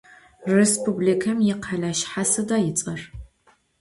Rêspublikem yikhele şsha'e sıda ıts'er?